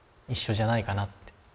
一緒じゃないかなって。